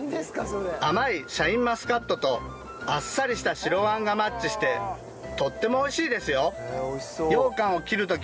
甘いシャインマスカットとあっさりした白あんがマッチしてとっても美味しいですよ。